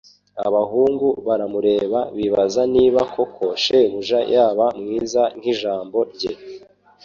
Abahungu baramureba bibaza niba koko shebuja yaba mwiza nkijambo rye